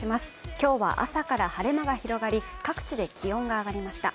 今日は朝から晴れ間が広がり各地で気温が上がりました。